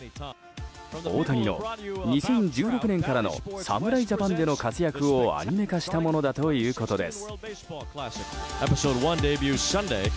大谷の２０１６年からの侍ジャパンでの活躍をアニメ化したものだということです。